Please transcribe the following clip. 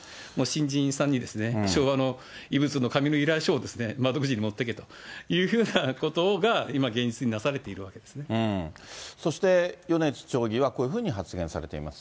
新人さんに、昭和の遺物の紙の依頼書を窓口に持ってけというふうなことが、そして、米津町議はこういうふうに発言されています。